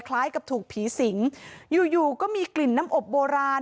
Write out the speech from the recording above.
คล้ายกับถูกผีสิงอยู่อยู่ก็มีกลิ่นน้ำอบโบราณ